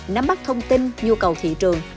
nắm bắt thông tin nhu cầu thị trường